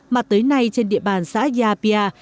mà tới nay trên địa bàn xã già pia